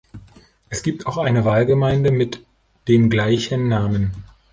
Es gibt auch eine Wahlgemeinde mit dem gleichen Namen.